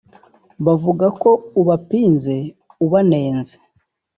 bavuga ko ubapinze ubanenze